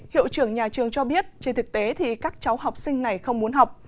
hiệu trưởng nhà trường cho biết trên thực tế thì các cháu học sinh này không muốn học